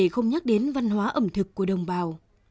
không nhắc đến văn hóa ẩm thực của đồng bào